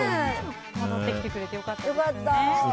戻ってきてくれて良かったですよね。